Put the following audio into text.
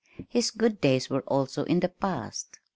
His good days were also in the past!